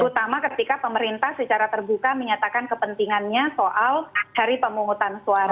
terutama ketika pemerintah secara terbuka menyatakan kepentingannya soal hari pemungutan suara